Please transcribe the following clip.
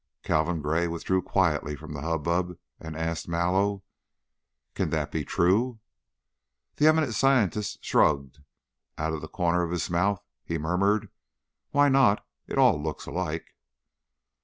Calvin Gray withdrew quietly from the hubbub and asked Mallow, "Can that be true?" The eminent scientist shrugged; out of the corner of his mouth he murmured: "Why not? It all looks alike."